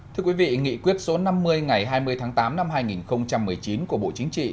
thưa quý vị nghị quyết số năm mươi ngày hai mươi tháng tám năm hai nghìn một mươi chín của bộ chính trị